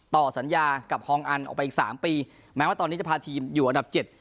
ต่อสัญญากับฮองอันออกไปอีกสามปีแม้ว่าตอนนี้จะพาทีมอยู่อันดับเจ็ด